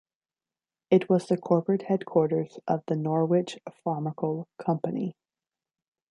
It was the corporate headquarters of the Norwich Pharmacal Company.